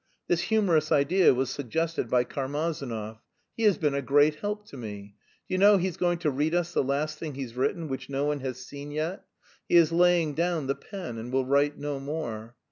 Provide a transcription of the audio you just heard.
This humorous idea was suggested by Karmazinov. He has been a great help to me. Do you know he's going to read us the last thing he's written, which no one has seen yet. He is laying down the pen, and will write no more.